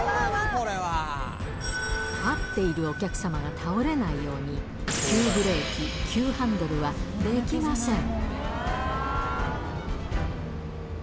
立っているお客様が倒れないように、急ブレーキ、急ハンドルはできません。